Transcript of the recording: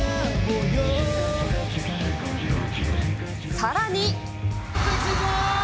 さらに。